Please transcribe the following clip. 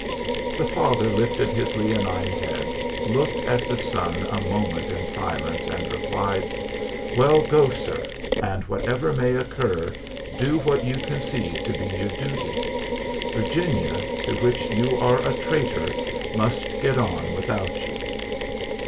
The father lifted his leonine head, looked at the son a moment in silence, and replied: "Well, go, sir, and whatever may occur do what you conceive to be your duty. Virginia, to which you are a traitor, must get on without you.